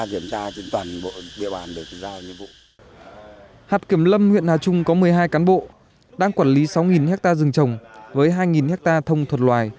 với hai hectare rừng trồng với hai hectare rừng trồng với hai hectare rừng trồng